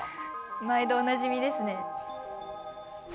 毎度おなじみですね。